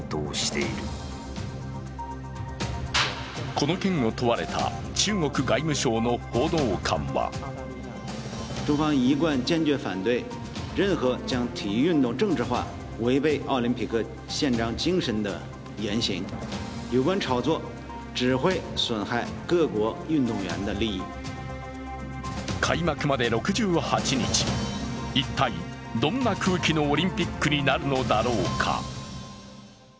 この件を問われた中国外務省の報道官は開幕まで６８日、一体どんな空気のオリンピックになるのだろうか。